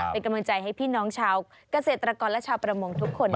เป็นกำลังใจให้พี่น้องชาวเกษตรกรและชาวประมงทุกคน